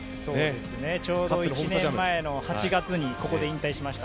ちょうど１年前の８月にここで引退しました。